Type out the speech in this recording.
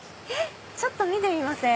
ちょっと見てみません？